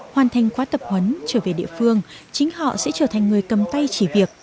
hoàn thành khóa tập huấn trở về địa phương chính họ sẽ trở thành người cầm tay chỉ việc